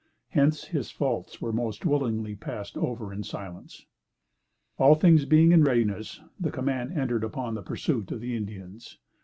Hence, his faults were most willingly passed over in silence. All things being in readiness, the command entered upon the pursuit of the Indians.